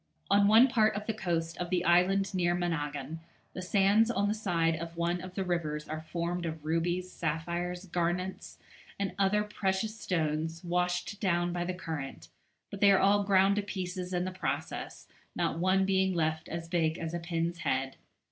On one part of the coast of the island near Managgan the sands on the side of one of the rivers are formed of rubies, sapphires, garnets, and other precious stones washed down by the current, but they are all ground to pieces in the process, not one being left as big as a pin's head.